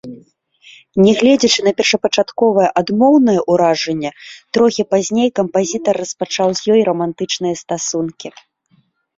Нягледзячы на першапачатковае адмоўнае ўражанне, трохі пазней кампазітар распачаў з ёй рамантычныя стасункі.